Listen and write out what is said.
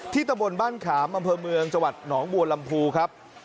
ตะบนบ้านขามอำเภอเมืองจังหวัดหนองบัวลำพูครับ